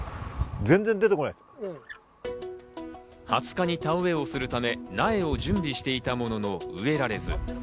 ２０日に田植えをするため、苗を準備していたものの植えられず。